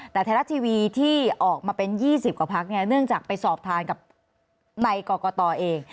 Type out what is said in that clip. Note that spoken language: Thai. แต่ไทยรัฐทีวีที่ออกมาเป็น๒๐กว่าพักเนี่ยเนื่องจากไปสอบทานกับในกรกตเอง